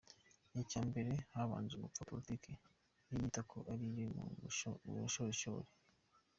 Icya mbere habanje gupfa politiki ye yita ko ari iyo mu bushorishori.